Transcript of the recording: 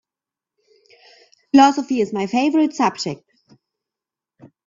Philosophy is my favorite subject.